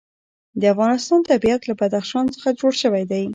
د افغانستان طبیعت له بدخشان څخه جوړ شوی دی.